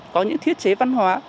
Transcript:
có những thiết chế văn hóa